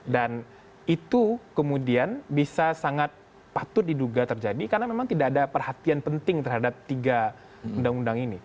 dan itu kemudian bisa sangat patut diduga terjadi karena memang tidak ada perhatian penting terhadap tiga undang undang ini